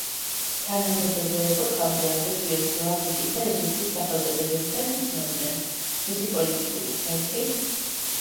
თანამედროვე ეპოქამდე ამ რეგიონს ლაზიკის და ეგრისის სახელწოდებებითაც იცნობდნენ, მისი პოლიტიკური ცენტრი